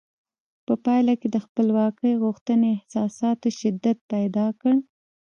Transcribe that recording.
په پایله کې د خپلواکۍ غوښتنې احساساتو شدت پیدا کړ.